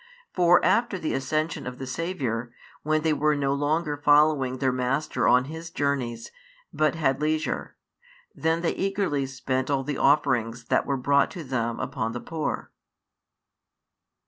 For after the Ascension of the Saviour, when they were no longer following their Master on His journeys, but had leisure; then they eagerly spent all the offerings that were brought to them upon the poor.